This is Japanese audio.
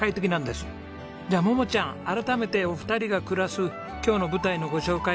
じゃあ桃ちゃん改めてお二人が暮らす今日の舞台のご紹介